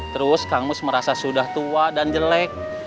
terus kang mus merasa sudah tua dan jelek